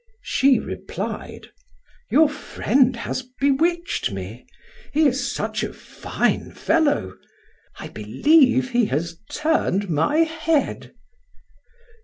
She replied: "Your friend has bewitched me; he is such a fine fellow. I believe he has turned my head."